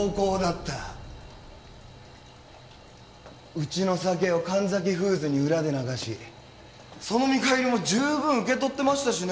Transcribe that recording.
うちの酒を神崎フーズに裏で流しその見返りも十分受け取ってましたしね。